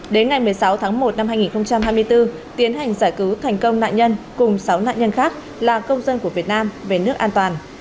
đến ngày một mươi sáu tháng một năm hai nghìn hai mươi bốn tiến hành giải cứu thành công nạn nhân cùng sáu nạn nhân khác là công dân của việt nam về nước an toàn